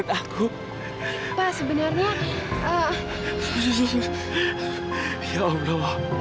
iya kayaknya dicara